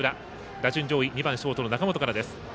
打順上位、２番ショートの中本からです。